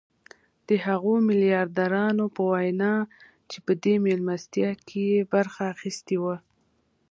د هغو ميلياردرانو په وينا چې په دې مېلمستيا کې يې برخه اخيستې وه.